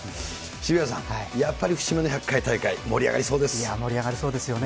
渋谷さん、やっぱり節目の１００盛り上がりそうですよね。